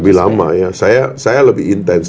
lebih lama ya saya lebih intens